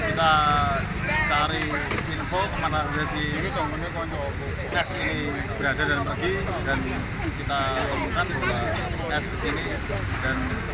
kemana ada si wito murni kompol ceksi berada dan pergi dan kita temukan bahwa ceksi disini dan juga menemukan bayi ini